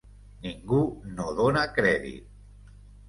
Ningú no dóna crèdit.